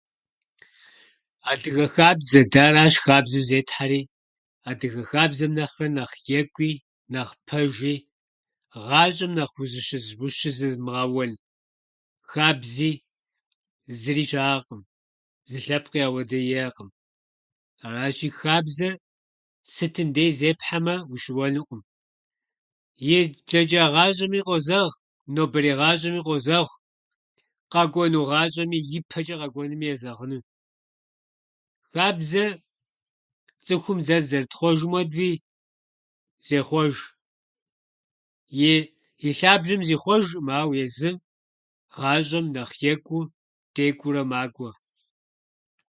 Адыгэ хабзэ. Дэ аращ хабзэу зетхьэри, адыгэ хабзэм нэхърэ нэхъ екӏуи, нэхъ пэжи, гъащӏэм нэхъ узыщызы- ущызымыгъэуэн хабзи зыри щыӏэкъым. Зы лъэпкъи ахуэдэ иӏэкъым. Аращи, хабзэр сытым деи зепхьэмэ, ущыуэнукъым. и- Блэчӏа гъащӏэми къозэгъ, нобэрей гъащӏэми къозэгъ, къэкӏуэну гъащӏэми, ипэчӏэ къэкӏуэнуми езэгъынущ. Хэбзэр, цӏыхум дэ зызэрытхъуэжым хуэдэуи, зехъуэж. и- И лъабжьэм зихъуэжӏым, ауэ езым гъащӏэм нэхъ екӏуу, декӏуурэ макӏуэ.